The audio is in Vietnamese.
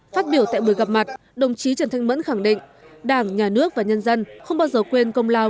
phát biểu tại buổi gặp mặt đồng chí trần thanh mẫn khẳng định đảng nhà nước và nhân dân không bao giờ quên công lao